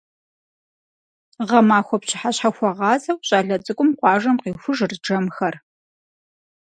Гъэмахуэ пщыхьэщхьэхуэгъазэу щӏалэ цӏыкӏум къуажэм къихужырт жэмхэр.